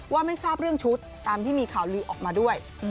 ไม่ทราบเรื่องชุดตามที่มีข่าวลือออกมาด้วย